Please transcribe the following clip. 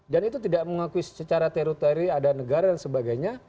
dan itu tidak mengakui secara terutari ada negara dan sebagainya